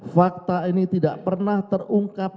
fakta ini tidak pernah terungkap